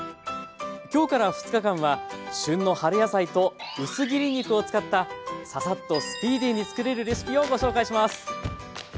今日から２日間は旬の春野菜と薄切り肉を使ったササッとスピーディーに作れるレシピをご紹介します。